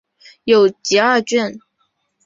有集二卷。